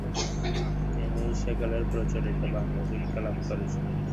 তিনি সেকালের প্রচলিত বাংলা শিক্ষা লাভ করেছিলেন।